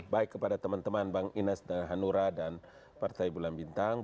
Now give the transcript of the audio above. baik kepada teman teman bang ines dan hanura dan partai bulan bintang